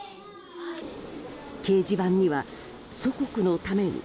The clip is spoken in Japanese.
掲示板には「祖国のために」